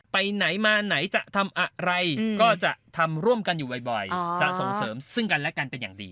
ไปไหนมาไหนจะทำอะไรก็จะทำร่วมกันอยู่บ่อยจะส่งเสริมซึ่งกันและกันเป็นอย่างดี